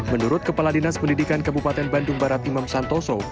menurut kepala dinas pendidikan kabupaten bandung barat imam santoso